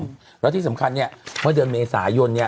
แล้วที่สำคัญเนี่ยเมื่อเดือนเมษายนเนี่ย